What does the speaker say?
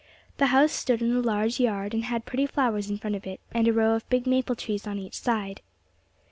The house stood in a large yard, and had pretty flowers in front of it and a row of big maple trees on each side.